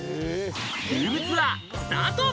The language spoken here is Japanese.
ルームツアースタート！